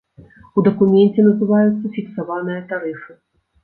У дакуменце называюцца фіксаваныя тарыфы.